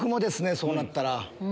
そうなったら。